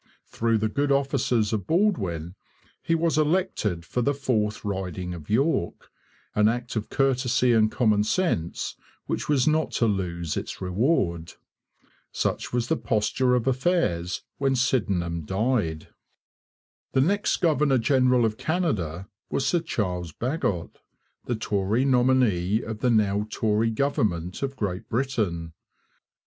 Through the good offices of Baldwin he was elected for the fourth riding of York, an act of courtesy and common sense which was not to lose its reward. Such was the posture of affairs when Sydenham died. [Illustration: Sir Charles Bagot. From an engraving in the Dominion Archives.] The next governor general of Canada was Sir Charles Bagot, the Tory nominee of the now Tory government of Great Britain.